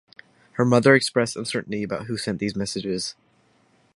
Her mother expressed uncertainty about who sent these messages.